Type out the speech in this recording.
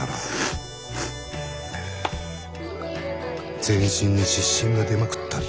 心の声全身に湿疹が出まくったり。